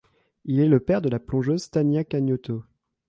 Il est le père de la plongeuse Tania Cagnotto.